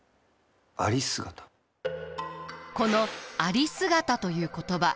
この有姿という言葉